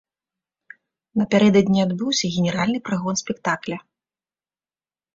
Напярэдадні адбыўся генеральны прагон спектакля.